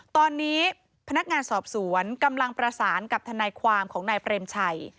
ตอนนี้พนักงานสอบสวนกำลังประสานกับทนายความของนายเปรมชัย